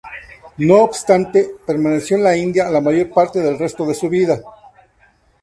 No obstante, permaneció en la India la mayor parte del resto de su vida.